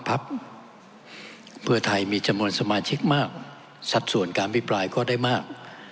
พักเพื่อไทยมีจำนวนสมาชิกมากสัดส่วนการพิปรายก็ได้มาก